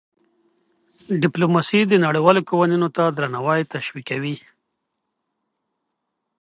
ډيپلوماسي د نړیوالو قوانینو ته درناوی تشویقوي.